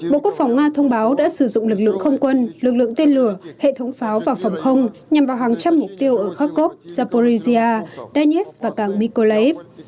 bộ quốc phòng nga thông báo đã sử dụng lực lượng không quân lực lượng tên lửa hệ thống pháo và phòng không nhằm vào hàng trăm mục tiêu ở kharkov zaporizhia donetsk và càng mykolaiv